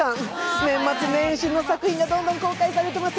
年末年始の作品がどんどん公開されています。